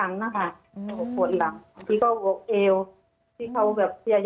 อันดับที่สุดท้าย